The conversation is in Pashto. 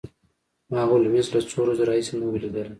ما هولمز له څو ورځو راهیسې نه و لیدلی